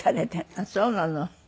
ああそうなの。